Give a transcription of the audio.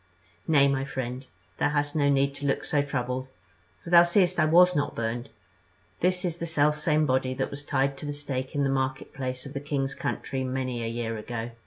"Nay, my friend, thou hast no need to look so troubled; for thou seest that I was not burned. This is the selfsame body that was tied to the stake in the market place of the king's city many a year ago.